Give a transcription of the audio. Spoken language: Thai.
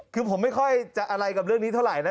คือผมไม่ค่อยจะอะไรกับเรื่องนี้เท่าไหร่นะ